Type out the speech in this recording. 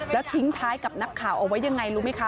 แล้วทิ้งท้ายกับนักข่าวเอาไว้ยังไงรู้ไหมคะ